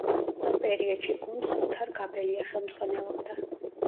ამ პერიოდში გუნდს ოთარ გაბელია ხელმძღვანელობდა.